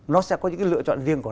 nó sẽ có những